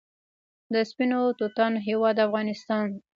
د سپینو توتانو هیواد افغانستان.